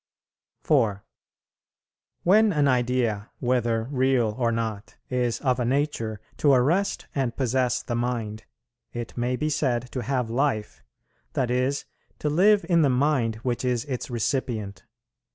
4. When an idea, whether real or not, is of a nature to arrest and possess the mind, it may be said to have life, that is, to live in the mind which is its recipient.